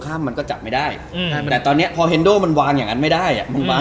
ค่อยก็ได้ดิปแพงให้ได้